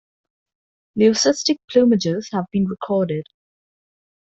Leucistic plumages have been recorded.